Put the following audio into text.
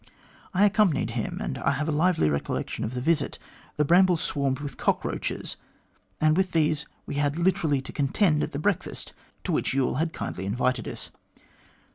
I accompanied him, and I have a lively recollection of the visit. The Bramble swarmed with cockroaches, and with these we had literally to contend at the breakfast to which Youl had kindly invited us.